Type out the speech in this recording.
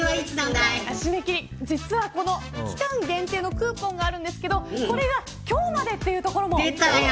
実は期間限定のクーポンがあるんですけどこれが今日までというところもあります。